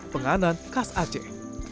penganan khas aceh